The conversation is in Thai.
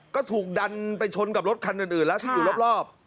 ก็ถูกดันไปชนกับรถคันอื่นแล้วที่อยู่รอบ